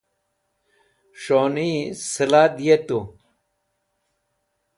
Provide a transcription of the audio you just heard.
s̃honi sla dyetu